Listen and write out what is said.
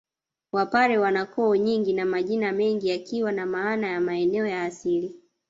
Wapare wana koo nyingi na majina mengi yakiwa na maana ya maeneo ya asili